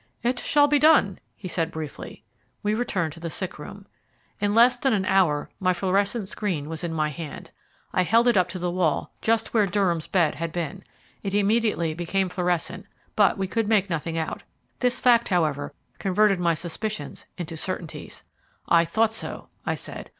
"It shall be done," he said briefly. We returned to the sick room. In less than an hour my fluorescent screen was in my hand. I held it up to the wall just where Durham's bed had been. It immediately became fluorescent, but we could make nothing out. This fact, however, converted my suspicions into certainties. "I thought so," I said.